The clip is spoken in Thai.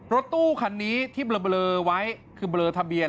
รถตู้คันนี้ที่เบลอไว้คือเบลอทะเบียน